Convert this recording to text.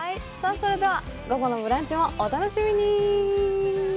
それでは午後の「ブランチ」もお楽しみに！